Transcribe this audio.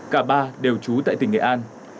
cả ba đều trú tại tỉnh hệ an